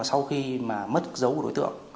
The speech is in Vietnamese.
sau khi mất dấu của đối tượng